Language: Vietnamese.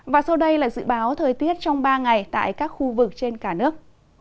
và sau đây là dự báo thời tiết trong ba ngày tại các khu vực trên cả nước